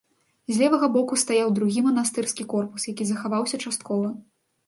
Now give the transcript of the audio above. З левага боку стаяў другі манастырскі корпус, які захаваўся часткова.